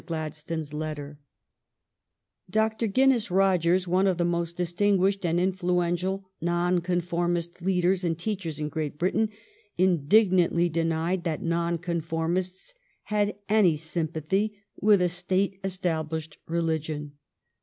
GLADSTONE'S BUSY LEISURE 417 Dr. Guinness Rogers, one of the most distin guished and influential Nonconformist leaders and teachers in Great Britain, indignantly denied that Nonconformists had any sympathy with a state established religion.